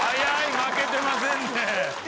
負けてませんね。